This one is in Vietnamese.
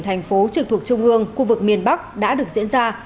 thành phố trực thuộc trung ương khu vực miền bắc đã được diễn ra